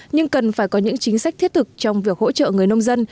nhưng cần phải có những chính sách thiết thực trong việc hỗ trợ người nông dân